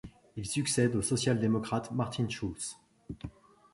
Il succède au social-démocrate Martin Schulz.